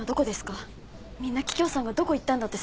みんな桔梗さんがどこ行ったんだって騒いでます。